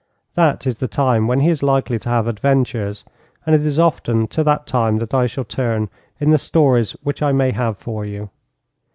That is the time when he is likely to have adventures, and it is often to that time that I shall turn in the stories which I may have for you.